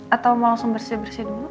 atau mau langsung bersih bersih dulu